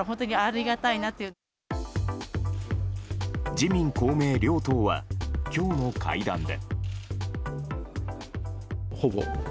自民・公明両党は今日の会談で。